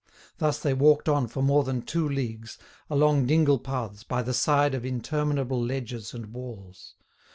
Thus they walked on for more than two leagues, along dingle paths by the side of interminable ledges and walls.